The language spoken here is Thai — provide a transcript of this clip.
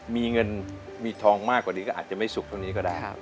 มีเงินมีทองมากกว่านี้ก็อาจจะไม่สุขเท่านี้ก็ได้